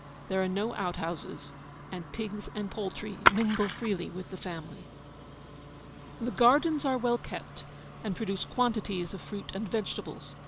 There are no out houses, and pigs and poultry mingle freely with the family. The gardens are well kept, and produce quantities of fruit and vegetables.